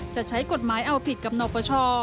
จะใช้กฎหมายเอาผิดกับนครพระชอ